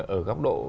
ở góc độ